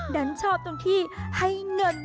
ดันชอบตรงที่ให้เงิน